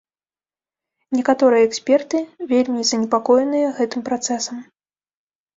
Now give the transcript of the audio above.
Некаторыя эксперты вельмі занепакоеныя гэтым працэсам.